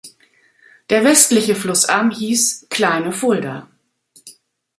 Der westliche Flussarm hieß "Kleine Fulda".